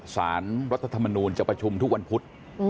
สารรัฐธรรมนูลจะประชุมทุกวันพุธ